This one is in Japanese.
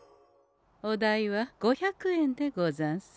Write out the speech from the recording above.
お代は５００円でござんす。